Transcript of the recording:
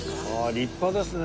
立派ですね！